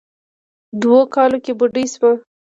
دوو کالو کې بوډۍ سوه.